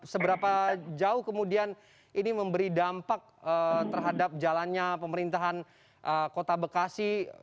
seberapa jauh kemudian ini memberi dampak terhadap jalannya pemerintahan kota bekasi